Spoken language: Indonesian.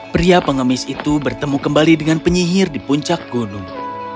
pria pengemis itu bertemu kembali dengan penyihir di puncak gunung